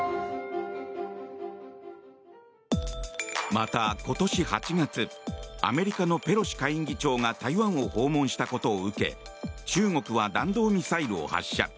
また、今年８月アメリカのペロシ下院議長が台湾を訪問したことを受け中国は弾道ミサイルを発射。